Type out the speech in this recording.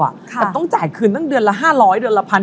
แต่ต้องจ่ายคืนตั้งเดือนละ๕๐๐เดือนละ๑๐๐